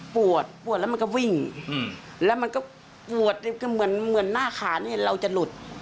ปวดปวดแล้วมันก็วิ่งแล้วมันก็ปวดเหมือนเหมือนหน้าขาเนี่ยเราจะหลุด